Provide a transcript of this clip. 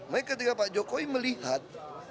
maka ketika pak jokowi melihat